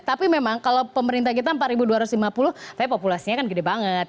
tapi memang kalau pemerintah kita empat ribu dua ratus lima puluh tapi populasinya kan gede banget